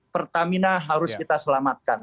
pertamina harus kita selamatkan